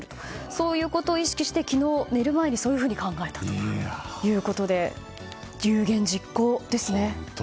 そういうことを意識して昨日、寝る前にそういうふうに考えたということで有言実行ですね。